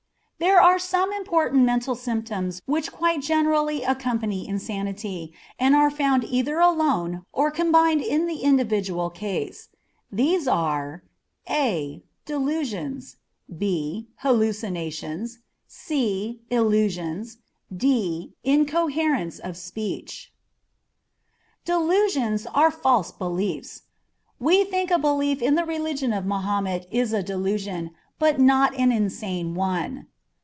_ There are some important mental symptoms which quite generally accompany insanity, and are found either alone or combined in the individual case. These are: a. Delusions. b. Hallucinations. c. Illusions. d. Incoherence of speech. Delusions are false beliefs. We think a belief in the religion of Mahomet is a delusion, but not an insane one.